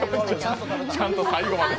ちゃんと最後まで。